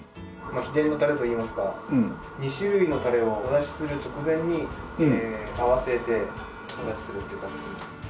秘伝のタレといいますか２種類のタレをお出しする直前に合わせてお出しするという形。